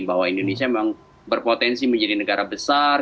bahwa indonesia memang berpotensi menjadi negara besar